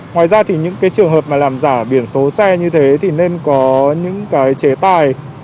ngoài ra thì những cái trường hợp mà làm giả biển số xe như thế thì nên có những cái chế tài